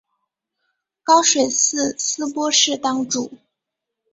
高水寺斯波氏当主。